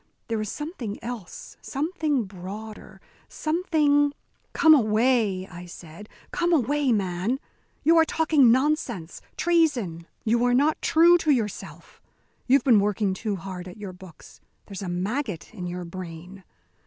There is something else, something broader, something " "Come away," I said, "come away, man! You are talking nonsense, treason. You are not true to yourself. You've been working too hard at your books. There's a maggot in your brain.